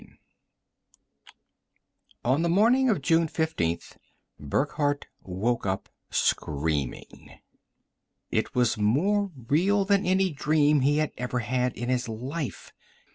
II On the morning of June 15th, Burckhardt woke up screaming. It was more real than any dream he had ever had in his life.